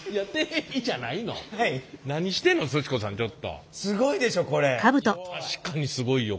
確かにすごいよこれは。